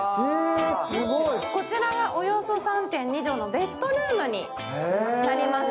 こちらがおよそ３．２畳のベッドルームになります。